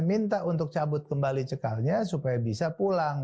minta untuk cabut kembali cekalnya supaya bisa pulang